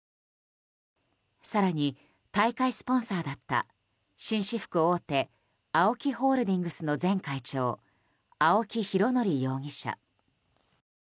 更に大会スポンサーだった紳士服大手ＡＯＫＩホールディングスの前会長、青木拡憲容疑者。